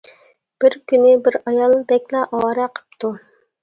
بىر كۈنى بىر ئايال بەكلا ئاۋارە قىپتۇ.